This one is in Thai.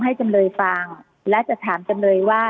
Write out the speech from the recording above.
จำเลยฟังและจะถามจำเลยว่า